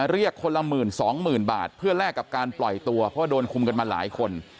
เรียกคนละหมื่นสองหมื่นบาทเพื่อแลกกับการปล่อยตัวเพราะว่าโดนคุมกันมาหลายคน